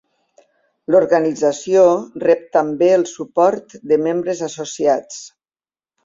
L'organització rep també el suport de membres associats.